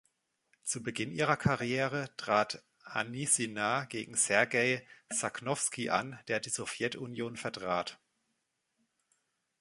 Zu Beginn ihrer Karriere trat Anissina gegen Sergei Sakhnovski an, der die Sowjetunion vertrat.